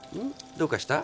どうかした？